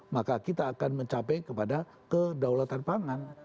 maka kita akan mencapai kepada kedaulatan pangan